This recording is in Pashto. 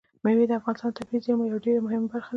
مېوې د افغانستان د طبیعي زیرمو یوه ډېره مهمه برخه ده.